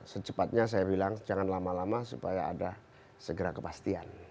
secepatnya saya bilang jangan lama lama supaya ada segera kepastian